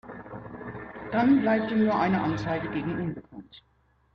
Dann bleibt ihm nur eine Anzeige gegen unbekannt.